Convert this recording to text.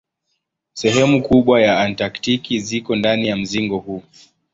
Sehemu kubwa ya Antaktiki ziko ndani ya mzingo huu.